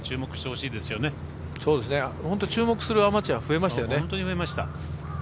ほんと、注目するアマチュア増えましたよね。